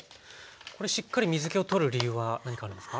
これしっかり水けを取る理由は何かあるんですか？